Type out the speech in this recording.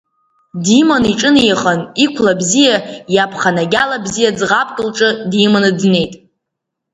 Диманы иҿынеихан, иқәла бзиа, иаԥханагьала бзиа ӡӷабк лҿы диманы днеит.